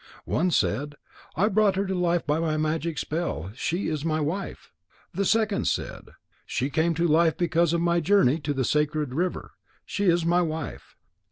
One said: "I brought her to life by my magic spell. She is my wife." The second said: "She came to life because of my journey to the sacred river. She is my wife."